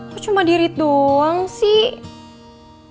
kok cuma dirit doang sih